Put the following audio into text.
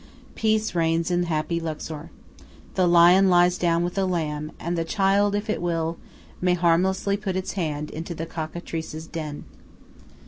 Peace reigns in happy Luxor. The lion lies down with the lamb, and the child, if it will, may harmlessly put its hand into the cockatrice's den.